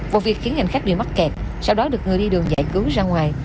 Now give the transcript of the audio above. vụ việc khiến hành khách bị mắc kẹt sau đó được người đi đường giải cứu ra ngoài